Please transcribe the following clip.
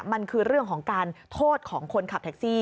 มันคือเรื่องของการโทษของคนขับแท็กซี่